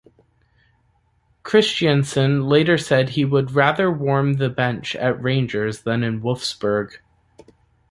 Christiansen later said he would rather warm the bench at Rangers, than in Wolfsburg.